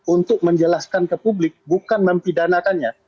untuk menjelaskan ke publik bukan mempidanakannya